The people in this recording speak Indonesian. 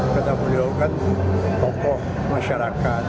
karena beliau kan tokoh masyarakat